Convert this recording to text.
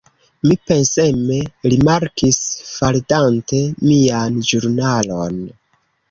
Mi penseme rimarkis, faldante mian ĵurnalon.